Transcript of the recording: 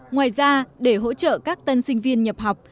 ngoài ra để hỗ trợ các tân sinh viên nhập học